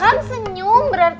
tuh kan senyum berarti niat